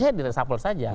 saya di reshuffle saja